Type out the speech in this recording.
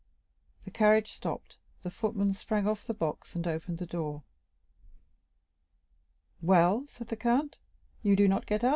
The carriage stopped, the footman sprang off the box and opened the door. "Well," said the count, "you do not get out, M.